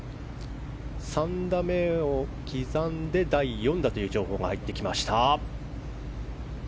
３打目を刻んで、第４打という情報が入ってきました。